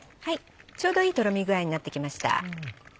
ちょうどいいとろみ具合になってきました。